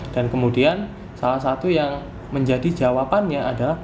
dan kemudian salah satu yang menjadi jawabannya adalah